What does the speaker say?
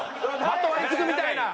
まとわりつくみたいな。